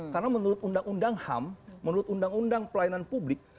karena menurut undang undang ham menurut undang undang pelayanan publik